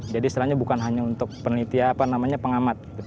jadi misalnya bukan hanya untuk penelitian apa namanya pengamat